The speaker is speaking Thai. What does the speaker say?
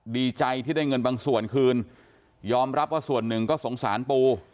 ดีใจที่ได้เงินบางส่วนคืนยอมรับว่าส่วนหนึ่งก็สงสารปู